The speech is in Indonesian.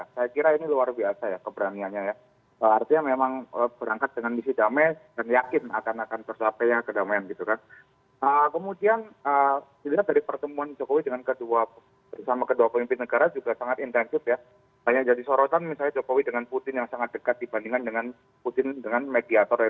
saya kira apa langkah yang dilakukan presiden jokowi ini sangat membanggakan ya